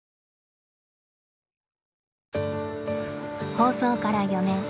放送から４年。